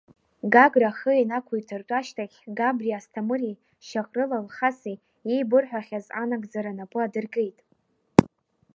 Гагра ахы ианақәиҭыртәы ашьҭахь Габриа Асҭамыри Шьаҟрыл Алхаси еибырҳәахьаз анагӡара напы адыркит.